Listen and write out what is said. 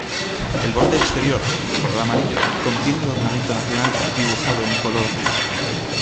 El borde exterior, de color amarillo, contiene el ornamento nacional dibujado en color azul.